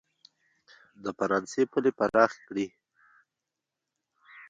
د فرانسې پولې پراخې کړي.